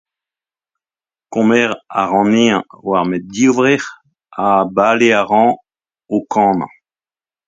Kemer a ra anezhañ war ma divrec'h ha bale a ran o kanañ.